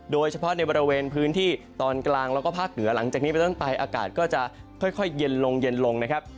โดยเฉพาะในบริเวณพื้นที่ตอนกลางแล้วก็ภาคเหนือหลังจากนี้ไปต้นไปอากาศก็จะค่อยเย็นลงเย็นลงนะครับ